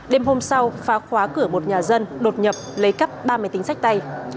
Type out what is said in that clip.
đêm hôm sau phá khóa cửa một nhà dân đột nhập lấy cắp ba máy tính sách tay